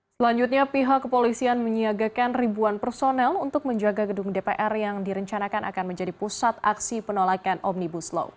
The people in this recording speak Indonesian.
selanjutnya pihak kepolisian menyiagakan ribuan personel untuk menjaga gedung dpr yang direncanakan akan menjadi pusat aksi penolakan omnibus law